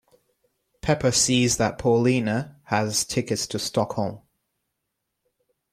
Pepa sees that Paulina has tickets to Stockholm.